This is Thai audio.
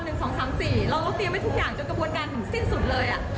เราก็เตรียมไว้ทุกอย่างจนกระบวนการถึงสิ้นสุดเลย